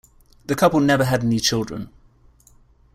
The couple never had any children.